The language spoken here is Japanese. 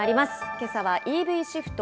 けさはＥＶシフト